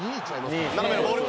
斜めのボール